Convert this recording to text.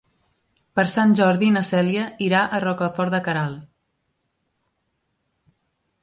Per Sant Jordi na Cèlia irà a Rocafort de Queralt.